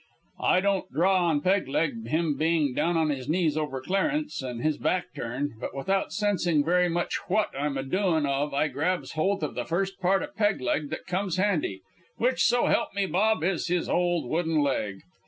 "I don' draw on Peg leg, him being down on his knees over Clarence, an' his back turned, but without sensin' very much what I'm a doin' of I grabs holt o' the first part o' Peg leg that comes handy, which, so help me, Bob, is his old wooden leg.